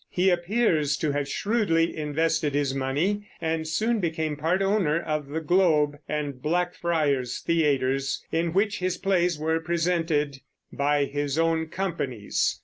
He appears to have shrewdly invested his money, and soon became part owner of the Globe and Blackfriars theaters, in which his plays were presented by his own companies.